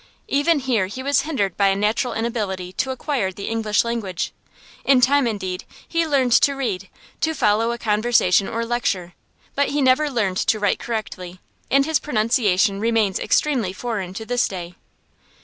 Even here he was hindered by a natural inability to acquire the English language. In time, indeed, he learned to read, to follow a conversation or lecture; but he never learned to write correctly, and his pronunciation remains extremely foreign to this day.